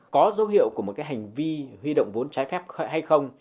có dấu hiệu của một cái hành vi huy động vốn trái phép hay không